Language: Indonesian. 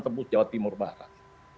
tembus jawa timur barat